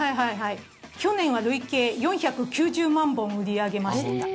去年は累計４９０万本売り上げました。